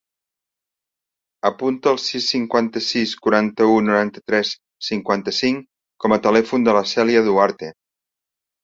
Apunta el sis, cinquanta-sis, quaranta-u, noranta-tres, cinquanta-cinc com a telèfon de la Cèlia Duarte.